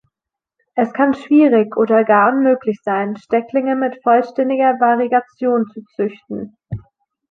Es kann schwierig oder gar unmöglich sein, Stecklinge mit vollständiger Variegation zu züchten.